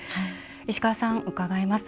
石川さん、伺います。